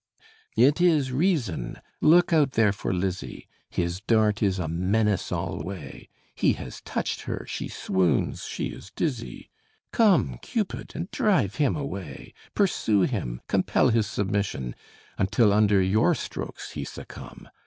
It is Reason! Look out there for Lizzie! His dart is a menace alway. He has touched her, she swoons she is dizzy: Come, Cupid, and drive him away. Pursue him; compel his submission, Until under your strokes he succumb.